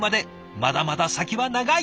まだまだ先は長い！